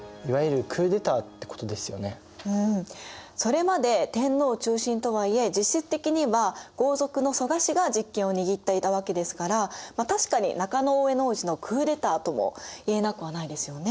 それまで天皇中心とはいえ実質的には豪族の蘇我氏が実権を握っていたわけですから確かに中大兄皇子のクーデターともいえなくはないですよね。